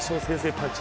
パンチ